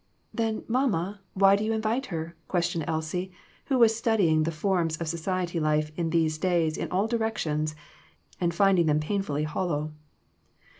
"Then, mamma, why do you invite her?" questioned Elsie, who was studying the forms of society life in these days in all directions, and finding them painfully hollow.